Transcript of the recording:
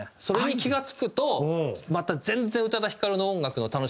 それに気が付くとまた全然宇多田ヒカルの音楽の。